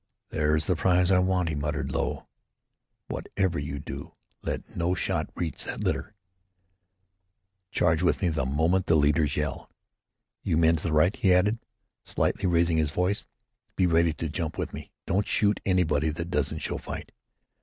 "There's the prize I want," he muttered low. "Whatever you do, let no shot reach that litter. Charge with me the moment the leaders yell. You men to the right," he added, slightly raising his voice, "be ready to jump with me. Don't shoot anybody that doesn't show fight.